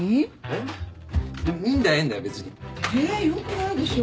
よくないでしょ。